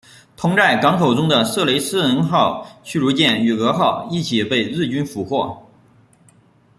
同在港口中的色雷斯人号驱逐舰与蛾号一起被日军俘获。